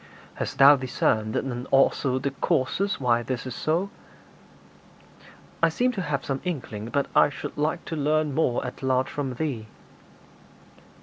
'Hast thou discerned also the causes why this is so?' 'I seem to have some inkling, but I should like to learn more at large from thee.'